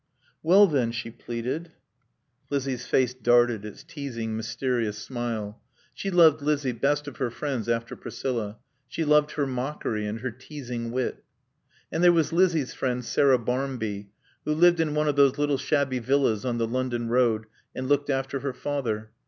"Well, then " she pleaded. Lizzie's face darted its teasing, mysterious smile. She loved Lizzie best of her friends after Priscilla. She loved her mockery and her teasing wit. And there was Lizzie's friend, Sarah Barmby, who lived in one of those little shabby villas on the London road and looked after her father.